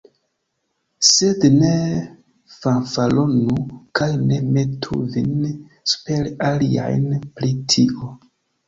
Sed ne fanfaronu kaj ne metu vin super aliajn pri tio.